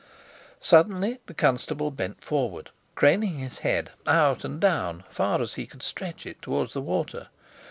Suddenly the constable bent forward, craning his head out and down, far as he could stretch it, towards the water.